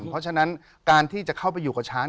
เพราะฉะนั้นการที่จะเข้าไปอยู่กับช้าง